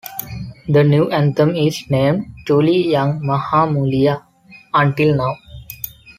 The new anthem is named "Duli Yang Maha Mulia" until now.